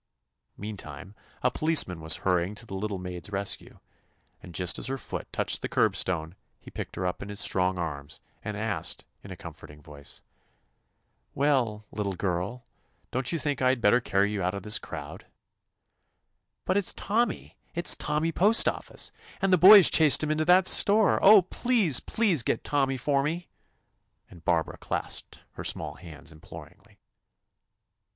Meantime a policeman was hurry ing to the little maid's rescue, and just as her foot touched the curbstone he picked her up in his strong arms and asked in a comforting voice: "Well, little girl, don't you think I 'd better carry you out of this crowd *?" "But it's Tommy I It's Tommy Postoffice, and the boys chased him into that store I Oh, please, please get Tommy for me," and Barbara clasped her small hands imploringly.